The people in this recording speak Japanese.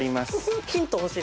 ヒント欲しいです。